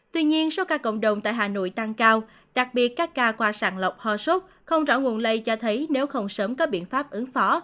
tuy nhiên số ca cộng đồng tại hà nội tăng cao đặc biệt các ca qua sàng lọc ho sốt không rõ nguồn lây cho thấy nếu không sớm có biện pháp ứng phó